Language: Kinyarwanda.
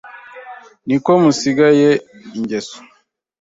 Ni ko musangiye ingeso